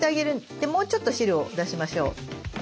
でもうちょっと汁を出しましょう。